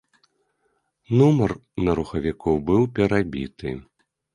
Нумар на рухавіку быў перабіты.